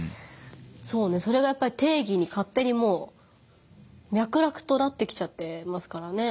そうねそれがやっぱり定義にかってにもうみゃくらくとなってきちゃってますからね。